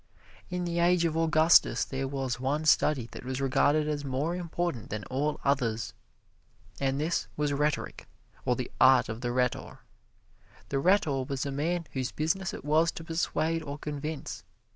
In the age of Augustus there was one study that was regarded as more important than all others, and this was rhetoric, or the art of the rhetor. The rhetor was a man whose business it was to persuade or convince.